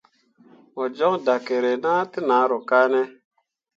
Mo jon dakerre na te nahro kane ?